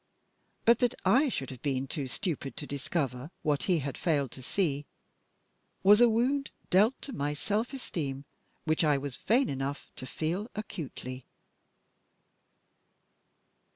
But that I should have been too stupid to discover what he had failed to see, was a wound dealt to my self esteem which I was vain enough to feel acutely.